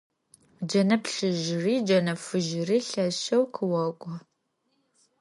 Джэнэ плъыжьыри джэнэ фыжьыри лъэшэу къыокӀу.